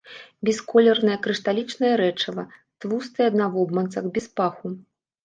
Бясколернае крышталічнае рэчыва, тлустае навобмацак, без паху.